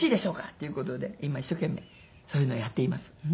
っていう事で今一生懸命そういうのをやっています。